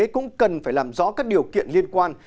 cũng cần phải làm rõ các điều kiện liên quan